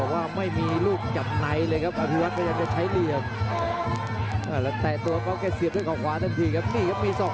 ใบหน้ากระทำด้วยเห็นด้วยเหล็กหรือเปล่าครับตนุสุกเล็ก